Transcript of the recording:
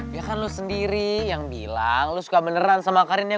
ya kan lo sendiri yang bilang lo suka beneran sama karin ya